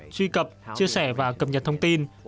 truy cập chia sẻ và cập nhật thông tin